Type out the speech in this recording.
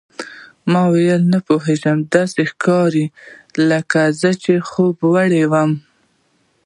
ما وویل، نه پوهېږم، داسې ښکاري لکه زه چې خوبوړی یم.